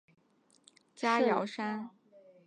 加瑙山。